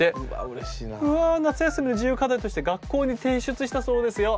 うわ夏休みの自由課題として学校に提出したそうですよ。